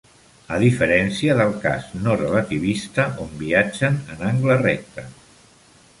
A diferència del cas no relativista on viatgen en angle recte.